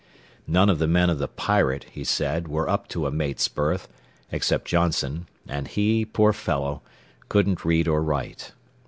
None of the men of the Pirate he said were up to a mate's berth, except Johnson, and he, poor fellow, couldn't read or write.